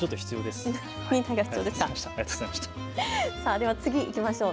では次いきましょう。